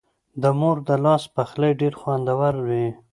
د مور د لاس پخلی ډېر خوندور وي.